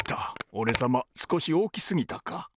おれさますこしおおきすぎたか。